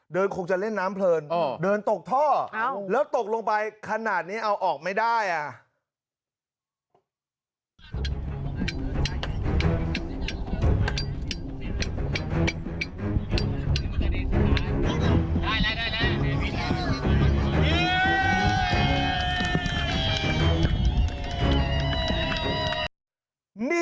คงจะเล่นน้ำเพลินเดินตกท่อแล้วตกลงไปขนาดนี้เอาออกไม่ได้อ่ะ